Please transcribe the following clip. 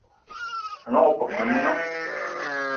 A gnong opeup o Menunga